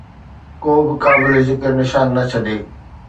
ڪو به قابل ذڪر نشان نه ڇڏي